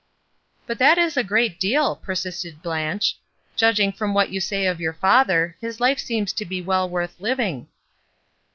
But that is a great deal," persisted Blanche. Judging from what you say of your father, his life seems to be well worth living."